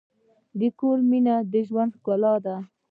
د کور مینه د ژوند ښکلا ده.